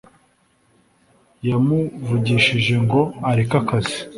yamuvugishije ngo areke akazi